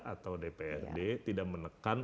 atau dprd tidak menekan